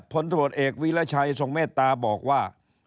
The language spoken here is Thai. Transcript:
ผลโทษเอกวีรชัยทรงเมตตาบอกว่า